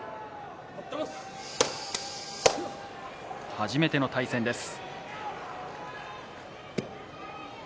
初めての対戦です。